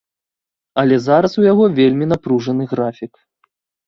Але зараз у яго вельмі напружаны графік.